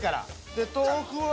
で豆腐は。